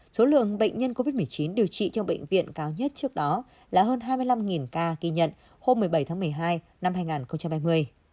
số lượng bệnh nhân covid một mươi chín điều trị trong bệnh viện cao nhất trước đó là hơn hai mươi năm ca ghi nhận hôm một mươi bảy tháng một mươi hai năm hai nghìn hai mươi